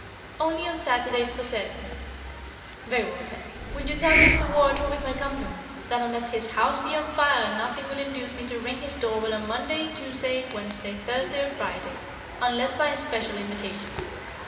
"Only on Saturdays for certain." "Very well, then, will you tell Mr. Ward, with my compliments, that unless his house be on fire nothing will induce me to ring his door bell on Monday, Tuesday, Wednesday, Thursday, or Friday, unless by special invitation.